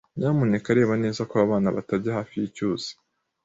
Nyamuneka reba neza ko abana batajya hafi yicyuzi.